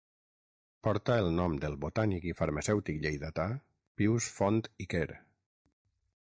Porta el nom del botànic i farmacèutic lleidatà Pius Font i Quer.